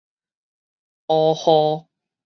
烏雨